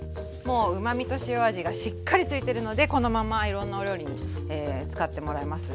うまみと塩味がしっかりついてるのでこのままいろんなお料理に使ってもらえます。